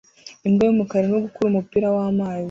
Imbwa y'umukara irimo gukura umupira mumazi